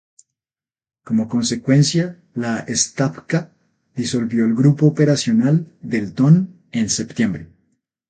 Como consecuencia, la Stavka disolvió el Grupo Operacional del Don en septiembre.